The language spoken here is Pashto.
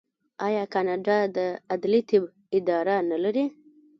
آیا کاناډا د عدلي طب اداره نلري؟